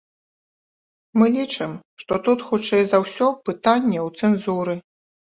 Мы лічым, што тут хутчэй за ўсё пытанне ў цэнзуры.